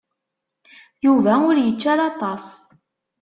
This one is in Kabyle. Yuba ur yečči ara aṭas.